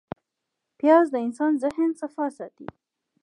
پیاز د انسان د ذهن صفا ساتي